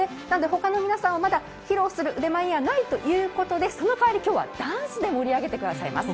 他の皆さんはまだ披露する腕前にはないということでその代わり、今日はダンスで盛り上げてくれます。